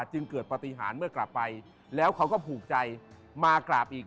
จึงเกิดปฏิหารเมื่อกลับไปแล้วเขาก็ผูกใจมากราบอีก